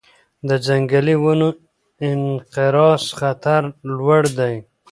د ځنګلي ونو انقراض خطر لوړ دی.